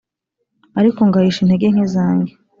ariko ngahisha intege nke zange"